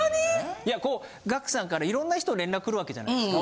いやこうＧＡＣＫＴさんから色んな人連絡くるわけじゃないですか。